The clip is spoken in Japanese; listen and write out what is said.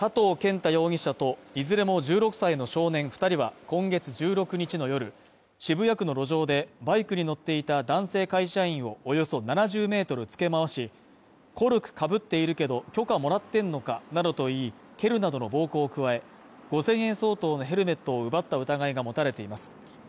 汰容疑者と、いずれも１６歳の少年２人は今月１６日の夜、渋谷区の路上でバイクに乗っていた男性会社員をおよそ７０ｍつけ回しコルクかぶっているけど、許可もらってんのかなどと言い、蹴るなどの暴行を加え、５０００円相当のヘルメットを奪った疑いが持たれています。